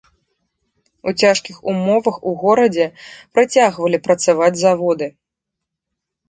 У цяжкіх умовах у горадзе працягвалі працаваць заводы.